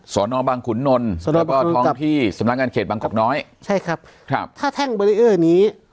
สอนอบังขุนนลแล้วก็ท้องที่สำนักงานเขตบางกอกน้อยใช่ครับครับถ้าแท่งเบรีเออร์นี้